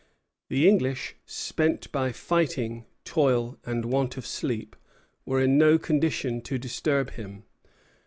The English, spent by fighting, toil, and want of sleep, were in no condition to disturb him.